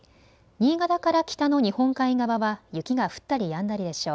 新潟から北の日本海側は雪が降ったりやんだりでしょう。